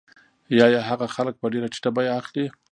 یا یې هم خلک په ډېره ټیټه بیه اخلي